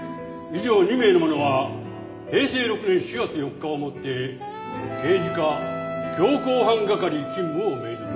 以上２名の者は平成６年４月４日をもって刑事課強行犯係勤務を命ずる。